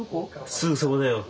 すぐそこだよ。